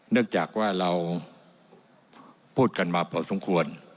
เนื่องจากว่าเราพูดกันมาพอสมควร